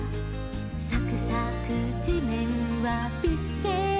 「さくさくじめんはビスケット」